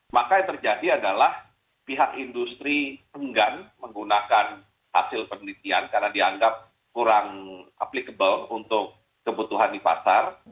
maka yang terjadi adalah pihak industri enggan menggunakan hasil penelitian karena dianggap kurang applicable untuk kebutuhan di pasar